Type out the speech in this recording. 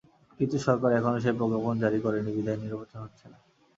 কিন্তু সরকার এখনো সেই প্রজ্ঞাপন জারি করেনি বিধায় নির্বাচন হচ্ছে না।